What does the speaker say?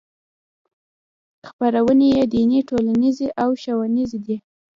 خپرونې یې دیني ټولنیزې او ښوونیزې دي.